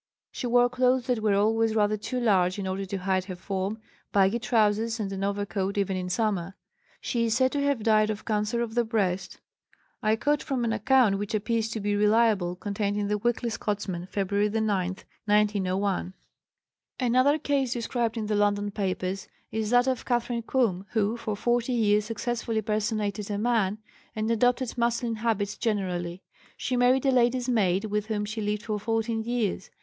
She wore clothes that were always rather too large in order to hide her form, baggy trousers, and an overcoat even in summer. She is said to have died of cancer of the breast. (I quote from an account, which appears to be reliable, contained in the Weekly Scotsman, February 9, 1901.) Another case, described in the London papers, is that of Catharine Coome, who for forty years successfully personated a man and adopted masculine habits generally. She married a lady's maid, with whom she lived for fourteen years.